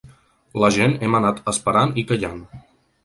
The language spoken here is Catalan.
La gent hem anat esperant i callant.